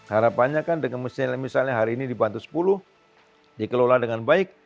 harapannya kan dengan misalnya hari ini dibantu sepuluh dikelola dengan baik